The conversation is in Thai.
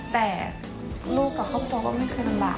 แต่ลูกกับครอบครัวก็ไม่เคยลำบาก